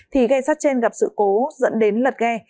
thì ghe sát trên gặp sự cố dẫn đến lật ghe